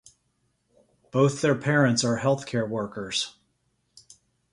Both their parents are healthcare workers.